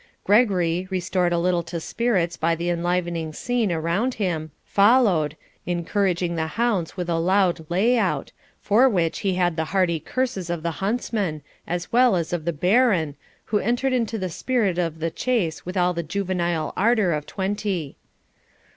Gregory, restored a little to spirits by the enlivening scene around him, followed, encouraging the hounds with a loud layout, for which he had the hearty curses of the huntsman, as well as of the Baron, who entered into the spirit of the chase with all the juvenile ardour of twenty.